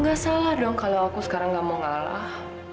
gak salah dong kalau aku sekarang gak mau ngalah